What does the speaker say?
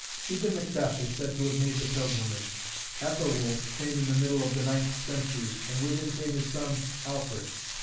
Even Macbeth is said to have made the pilgrimage. Ethelwulf came in the middle of the ninth century, and with him came his son Alfred.